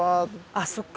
あっそっか